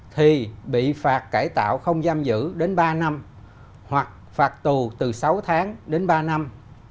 thì bị phạt cải tạo không giam giữ đến ba năm hoặc phạt tù từ sáu tháng đến ba năm